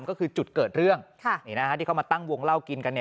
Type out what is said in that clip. ก็คือจุดเกิดเรื่องที่เขามาตั้งวงเล่ากินกัน